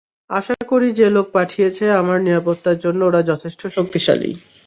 আশা করি যে লোক পাঠিয়েছ আমার নিরাপত্তার জন্য ওরা যথেষ্ট শক্তিশালী?